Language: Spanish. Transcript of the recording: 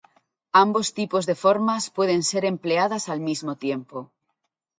Ambos tipos de formas pueden ser empleadas al mismo tiempo.